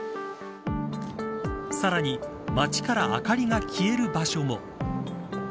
さらに、街から明かりが消える場所も。